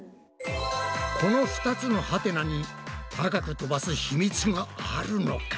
この２つのハテナに高く飛ばす秘密があるのか？